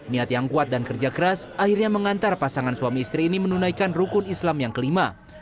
niat yang kuat dan kerja keras akhirnya mengantar pasangan suami istri ini menunaikan rukun islam yang kelima